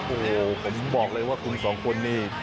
โอ้โหผมบอกเลยว่าคุณสองคนนี่